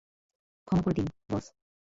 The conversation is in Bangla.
ক্ষমা করে দিন, বস।